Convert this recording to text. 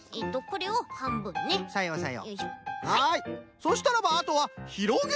そうしたらばあとはひろげるだけ！